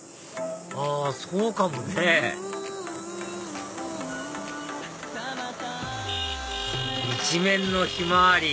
あそうかもね一面のヒマワリ！